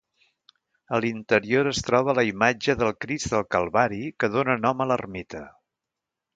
A l'interior es troba la imatge del Crist del Calvari que dóna nom a l'ermita.